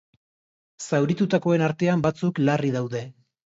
Zauritutakoen artean batzuk larri daude.